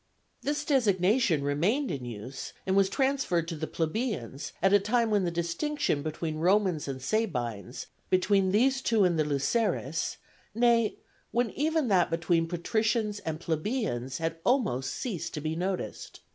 This designation remained in use and was transferred to the plebeians at a time when the distinction between Romans and Sabines, between these two and the Luceres, nay, when even that between patricians and plebeians had almost ceased to be noticed.